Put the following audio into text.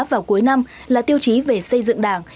vào cuối năm là tiêu chí về xây dựng đảng